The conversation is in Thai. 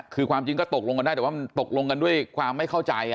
คือความจริงก็ตกลงกันได้แต่ว่ามันตกลงกันด้วยความไม่เข้าใจ